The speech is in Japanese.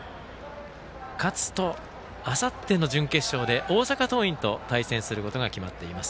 勝つと、あさっての準決勝で大阪桐蔭と対戦することが決まっています。